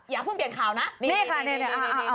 อย่าเพิ่งเปลี่ยนข่าวนะนี่ค่ะ